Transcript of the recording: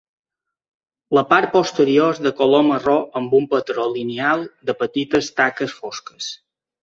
La part posterior és de color marró amb un patró lineal de petites taques fosques.